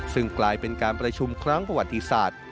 ซึ่งกลายเป็นการประชุมครั้งประวัติศาสตร์